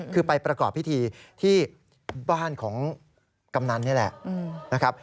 คือไปประกอบพิธีที่บ้านของกำนันนี่แหละนะครับ